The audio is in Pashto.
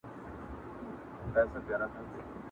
دونه لا نه یم لیونی هوښیاروې مي ولې!.